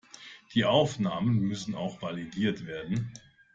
Die Aufnahmen müssen auch validiert werden.